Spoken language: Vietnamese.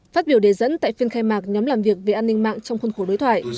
phát biểu đề dẫn tại phiên khai mạc nhóm làm việc về an ninh mạng trong khuôn khổ đối thoại